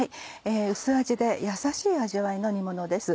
薄味でやさしい味わいの煮ものです。